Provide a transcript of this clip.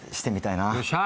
よっしゃ！